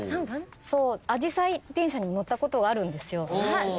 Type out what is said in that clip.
あじさい電車に乗ったことがあるんですよ。